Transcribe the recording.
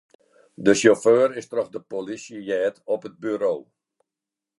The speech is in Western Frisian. De sjauffeur is troch de polysje heard op it buro.